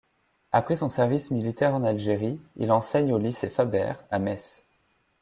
Après son service militaire en Algérie, il enseigne au lycée Fabert, à Metz.